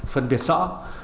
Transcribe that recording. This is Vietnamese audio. phân biệt rõ